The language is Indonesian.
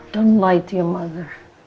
jangan menipu mama